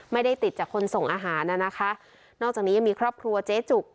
ไม่ได้ติดจากคนส่งอาหารน่ะนะคะนอกจากนี้ยังมีครอบครัวเจ๊จุก